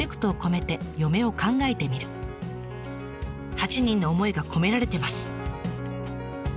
８人の思いが込められてます。